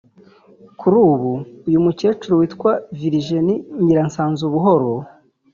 Kuri ubu uyu mukecuru witwa Virginie Nyiransanzubuhoro